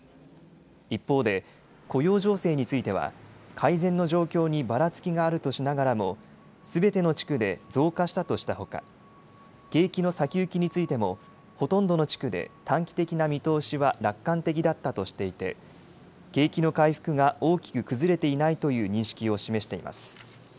一方で雇用情勢については改善の状況にばらつきがあるとしながらもすべての地区で増加したとしたほか景気の先行きについてもほとんどの地区で短期的な見通しは楽観的だったとしていて景気の回復が大きく崩れていないという認識を示しています。